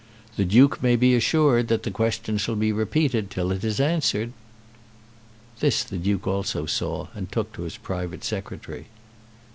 The Duke may be assured that the question shall be repeated till it is answered." This the Duke also saw and took to his private Secretary.